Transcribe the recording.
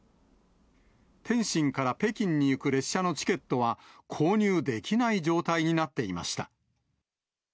天津から北京に行く列車のチケットは購入できない状態になっていました。